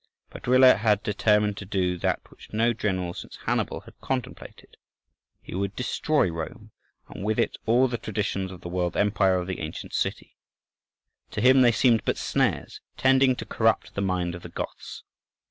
Baduila had determined to do that which no general since Hannibal had contemplated: he would destroy Rome, and with it all the traditions of the world empire of the ancient city—to him they seemed but snares, tending to corrupt the mind of the Goths.